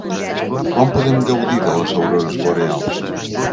Quan podem gaudir de les aurores boreals?